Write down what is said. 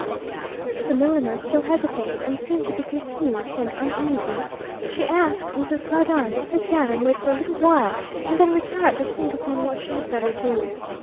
The milliner still hesitated, and seemed to be confused and uneasy. She asked Mrs. Claudine to sit down and wait for a little while, and then retired to think upon what she had better do.